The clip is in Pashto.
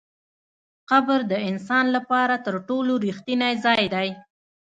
قبر د انسان لپاره تر ټولو رښتینی ځای دی.